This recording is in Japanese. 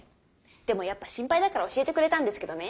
でもやっぱ心配だから教えてくれたんですけどね。